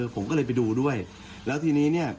ผมก็เลยไปดูด้วยแล้วทีนี้